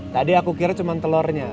tadi aku kira cuma telurnya